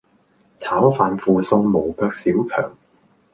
炒飯附送無腳小强